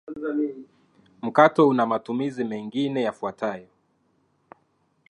Mkato una matumizi mengine yafuatayo